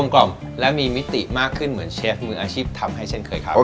กล่อมและมีมิติมากขึ้นเหมือนเชฟมืออาชีพทำให้เช่นเคยครับ